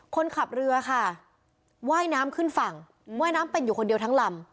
คนขับเรือค่ะว่ายน้ำขึ้นฝั่งว่ายน้ำเป็นอยู่คนเดียวทั้งลำ